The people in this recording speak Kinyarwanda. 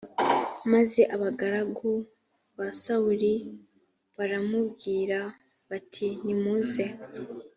maze abagaragu ba sawuli baramubwira bati nimuze